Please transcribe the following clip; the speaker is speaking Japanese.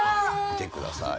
見てください。